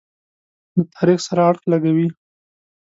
له تاریخ سره اړخ لګوي.